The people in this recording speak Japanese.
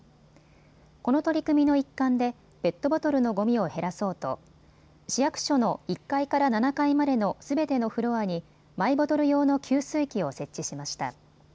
この取り組みの一環でペットボトルのごみを減らそうと市役所の１階から７階までのすべてのフロアにマイボトル用の給水機を設置しました。